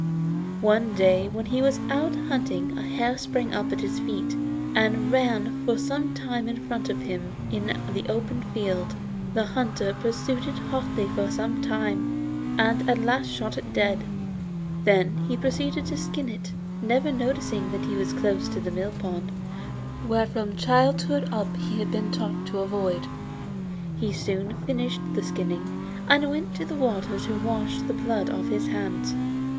One day when he was out hunting a hare sprang up at his feet, and ran for some way in front of him in the open field. The hunter pursued it hotly for some time, and at last shot it dead. Then he proceeded to skin it, never noticing that he was close to the mill pond, which from childhood up he had been taught to avoid. He soon finished the skinning, and went to the water to wash the blood off his hands.